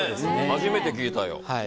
初めて聞いたよ。